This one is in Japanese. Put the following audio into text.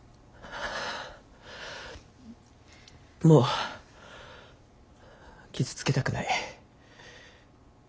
もう傷つけたくない。